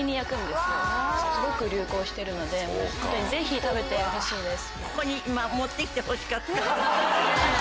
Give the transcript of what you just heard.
すごく流行してるのでぜひ食べてほしいです。